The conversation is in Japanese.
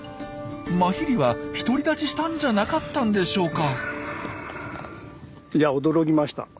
マヒリは独り立ちしたんじゃなかったんでしょうか？